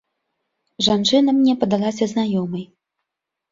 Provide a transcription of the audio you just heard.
Жанчына мне падалася знаёмай.